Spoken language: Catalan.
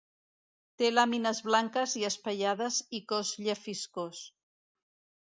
Té làmines blanques i espaiades i cos llefiscós.